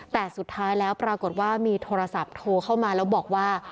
แต่สุดท้ายแล้วปรากฏว่ามีโทรศัพท์โทรเข้ามาแล้วบอกว่า